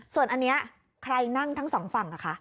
ส่วนอันนี้ใครนั่งทั้งสองฝั่งอะคะ